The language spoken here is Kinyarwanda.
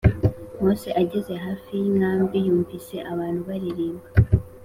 Mose ageze hafi y inkambi yumvise abantu baririmba